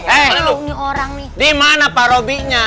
eh dimana pak robinya